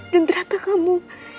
dan ternyata kamu